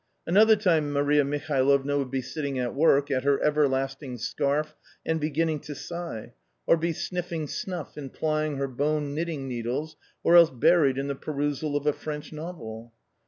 Another time Maria Mihalovna would be sitting at work at her everlasting scarf and beginning to sigh, or be sniffing snuff and plying her bone knitting needles, or else buried in the perusal of a French novel.